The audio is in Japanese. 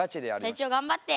隊長頑張って。